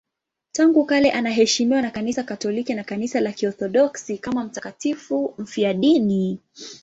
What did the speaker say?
Tangu kale anaheshimiwa na Kanisa Katoliki na Kanisa la Kiorthodoksi kama mtakatifu mfiadini.